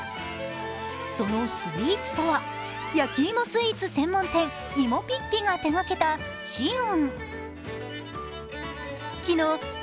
そのスイーツとは、焼き芋スイーツ専門店、芋ぴっぴが手掛けた紫雲。